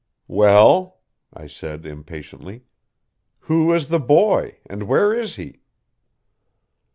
"Well?" I said impatiently. "Who is the boy, and where is he?"